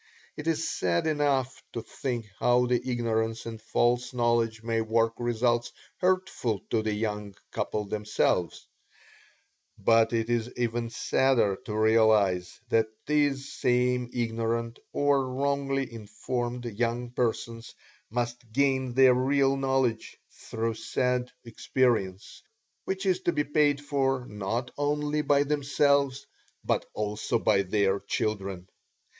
It is sad enough to think how the ignorance and false knowledge may work results hurtful to the young couple themselves, but it is even sadder to realize that these same ignorant or wrongly informed young persons must gain their real knowledge through sad experience which is to be paid for not only by themselves but also by their children.